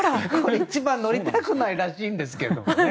一番乗りたくないらしいんですけどもね。